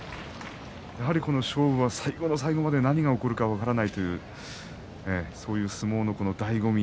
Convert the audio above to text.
やはりこの勝負は最後の最後まで何が起こるか分からないというそういう相撲の醍醐味